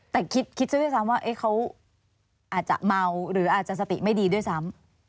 แต่คิดซะด้วยซ้ำว่าเขาอาจจะเมาหรืออาจจะสติไม่ดีด้วยซ้ำ